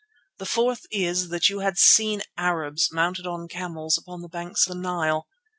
The fourth is that you had seen Arabs mounted on camels upon the banks of the Nile.